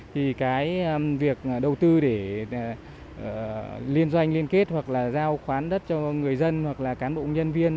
thì cái việc đầu tư để liên doanh liên kết hoặc là giao khoán đất cho người dân hoặc là cán bộ nhân viên